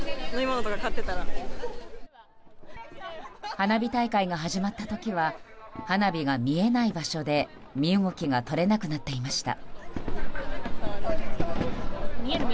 花火大会が始まった時は花火が見えない場所で、身動きが取れなくなっていました。